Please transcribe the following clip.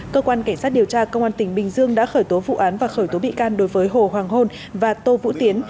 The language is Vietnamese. cơ quan cảnh sát điều tra công an tỉnh bình dương đã khởi tố vụ án và khởi tố bị can đối với hồ hoàng hôn và tô vũ tiến